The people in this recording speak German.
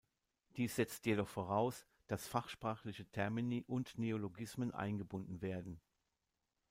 Dies setzt jedoch voraus, dass fachsprachliche Termini und Neologismen eingebunden werden.